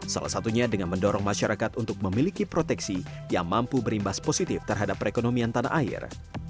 salah satunya dengan mendorong masyarakat untuk memiliki proteksi yang mampu berimbas positif terhadap perekonomian tanah air